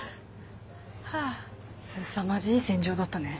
すさまじい戦場だったね。